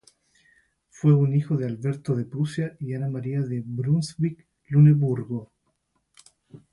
Fue un hijo de Alberto de Prusia y Ana María de Brunswick-Luneburgo.